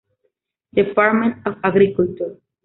Department of Agriculture".